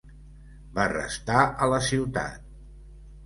Va restar a la ciutat.